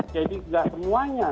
jadi tidak semuanya